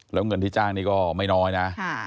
แล้วเงินที่จ้างนี่ก็ไม่น้อยนะ